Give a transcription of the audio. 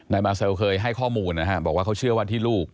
มาเซลเคยให้ข้อมูลนะฮะบอกว่าเขาเชื่อว่าที่ลูก